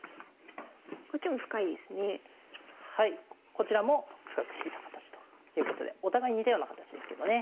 こちらも深く引いた形ということでお互い似たような形ですけどね。